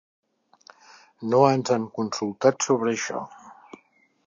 No ens han consultat sobre això.